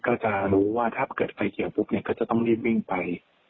ก็จะรู้ว่าถ้าเกิดไฟเขียวปุ๊บเนี่ยก็จะต้องรีบวิ่งไป